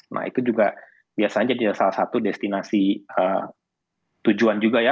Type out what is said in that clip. nah itu juga biasanya di salah satu destinasi tujuan juga ya